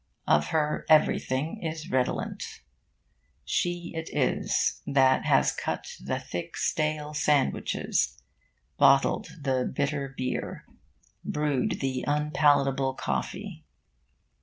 Of her everything is redolent. She it is that has cut the thick stale sandwiches, bottled the bitter beer, brewed the unpalatable coffee.